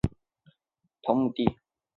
北魏宣武帝于皇后的同母弟。